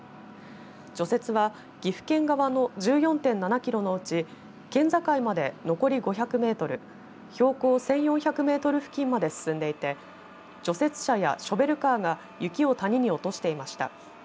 除雪は岐阜県側の１４．７キロのうち県境まで残り５００メートル標高１４００メートル付近まで進んでいて除雪車やショベルカーが雪を谷にを落としていました。